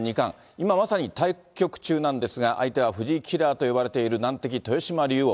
今まさに対局中なんですが、相手は藤井キラーと呼ばれている難敵、豊島竜王。